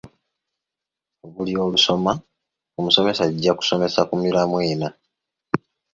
Buli olusoma omusomesa ajja kusomesa ku miramwa ena.